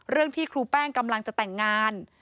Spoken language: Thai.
ที่ครูแป้งกำลังจะแต่งงาน